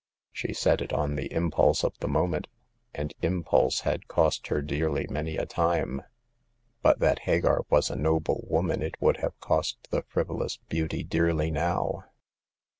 She said it on the impulse of the moment ; and impulse had cost her dearly many a time. But that Hagar was a noble woman it would have cost the friv olous beauty dearly now.